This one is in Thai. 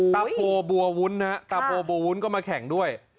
โพบัววุ้นนะตาโพบัววุ้นก็มาแข่งด้วย